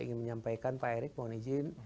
ingin menyampaikan pak erick mohon izin